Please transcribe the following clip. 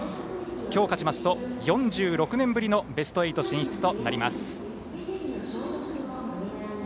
今日、勝ちますと４６年ぶりのベスト８進出となります。